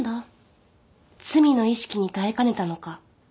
罪の意識に耐えかねたのか。